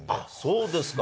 そうですか。